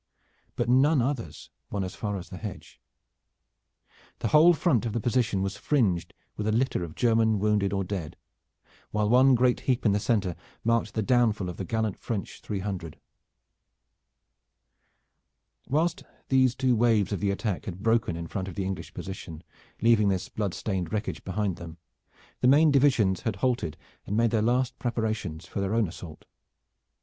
But none others won as far as the hedge. The whole front of the position was fringed with a litter of German wounded or dead, while one great heap in the center marked the downfall of the gallant French three hundred. Whilst these two waves of the attack had broken in front of the English position, leaving this blood stained wreckage behind them, the main divisions had halted and made their last preparations for their own assault.